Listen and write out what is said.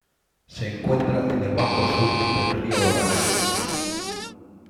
Se encuentra en el banco sur del río Orange.